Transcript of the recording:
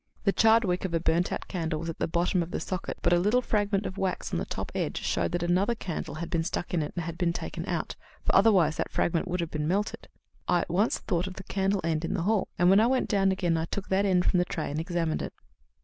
The charred wick of a burnt out candle was at the bottom of the socket, but a little fragment of wax on the top edge showed that another candle had been stuck in it and had been taken out, for otherwise that fragment would have been melted. I at once thought of the candle end in the hall, and when I went down again I took that end from the tray and examined it.